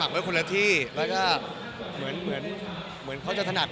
มีอีกประมาณ๑๐ปีมีอีกประมาณ๑๐ปี